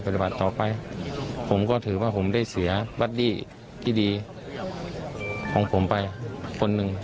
ปฏิบัติต่อไปผมก็ถือว่าผมได้เสียบัตตี้ดีของผมไปคนหนึ่ง